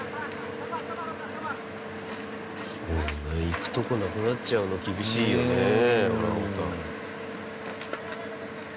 行くとこなくなっちゃうの厳しいよねオランウータン。